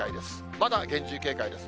まだ厳重警戒です。